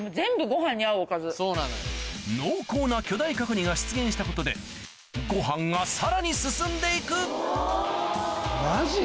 濃厚な巨大角煮が出現したことでご飯がさらに進んでいくマジ？